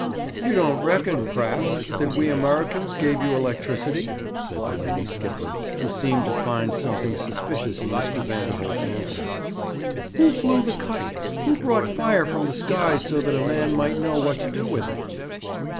'You don't reckon, p'r'aps, that we Amurricans gave you electricity?' said the lady skipper, who seemed to find something suspicious in Mr. Vanderholt's answer. 'Who flew the kite? Who brought fire from the skies so that a man might know what to do with it?'